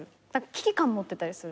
危機感持ってたりする。